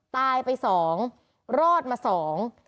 ตายไปสองรอดมาสอง